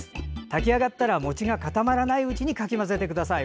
炊き上がったら餅が固まらないうちにかき混ぜてください。